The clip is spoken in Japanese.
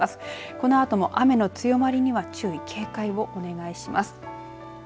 このあとも雨の強まりには注意警戒をお願いします。